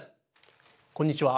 こんにちは。